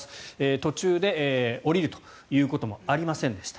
途中で降りるということもありませんでした。